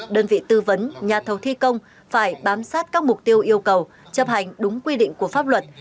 đơn vị tư vấn nhà thầu thi công phải bám sát các mục tiêu yêu cầu chấp hành đúng quy định của pháp luật